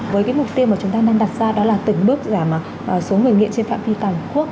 với cái mục tiêu mà chúng ta đang đặt ra đó là tỉnh bước giảm số người nghiện trên phạm phi tàu quốc